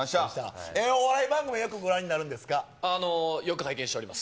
お笑い番組は、よくご覧になよく拝見しております。